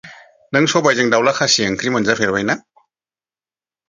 नों सबाइजों दाउला खासि ओंख्रि मोनजाफेरबाय ना?